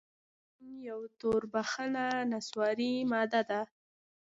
اپین یوه توربخنه نسواري ماده ده.